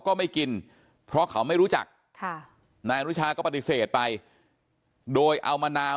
ก็ไม่กินเพราะเขาไม่รู้จักค่ะนายอนุชาก็ปฏิเสธไปโดยเอามะนาว